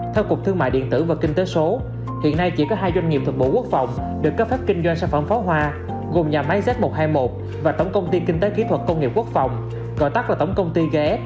theo cục thương mại điện tử và kinh tế số hiện nay chỉ có hai doanh nghiệp thuộc bộ quốc phòng được cấp phép kinh doanh sản phẩm pháo hoa gồm nhà máy z một trăm hai mươi một và tổng công ty kinh tế kỹ thuật công nghiệp quốc phòng gọi tắt là tổng công ty ghé